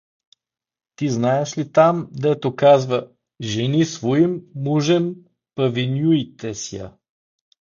— Ти знаеш ли там, дето казва: Жени, своимъ мужемъ повинуитеся?